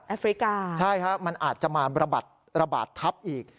ฟริกาใช่ฮะมันอาจจะมาระบาดทับอีก